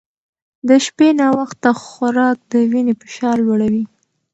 د شپې ناوخته خوراک د وینې فشار لوړوي.